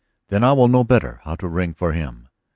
"Then I will know better how to ring for him.